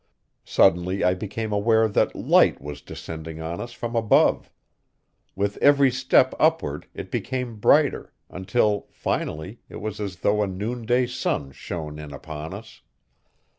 Suddenly I became aware that light was descending on us from above. With every step upward it became brighter, until finally it was as though a noonday sun shone in upon us.